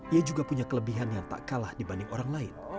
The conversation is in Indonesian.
ia juga punya kelebihan yang tak kalah dibanding orang lain